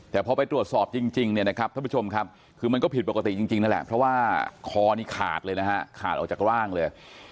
แต่พอไปตรวจสอบจริงเนี่ยนะครับท่านผู้ชมครับคือมันก็ผิดปกติจริงนั่นแหละเพราะว่าคอนี่ขาดเลยนะฮะขาดออกจากร่างเลย